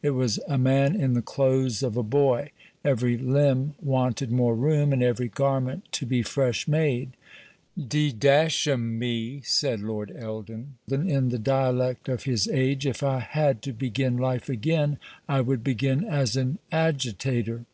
It was a man in the clothes of a boy; every limb wanted more room, and every garment to be fresh made. "D mn me," said Lord Eldon in the dialect of his age, "if I had to begin life again I would begin as an agitator."